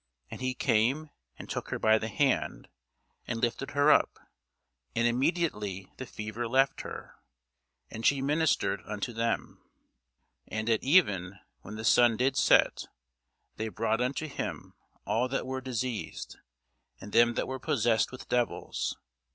And he came and took her by the hand, and lifted her up; and immediately the fever left her, and she ministered unto them. And at even, when the sun did set, they brought unto him all that were diseased, and them that were possessed with devils.